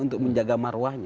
untuk menjaga maruahnya